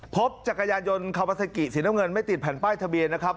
จักรยานยนต์คาบาซากิสีน้ำเงินไม่ติดแผ่นป้ายทะเบียนนะครับ